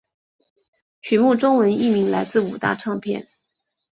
曲目中文译名来自五大唱片。